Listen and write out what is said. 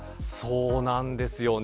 そうなんですよね。